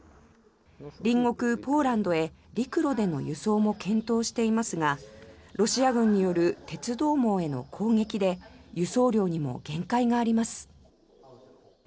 隣国ポーランドへ陸路での輸送も検討していますがロシア軍による鉄道網への攻撃で輸送量にも限界があります。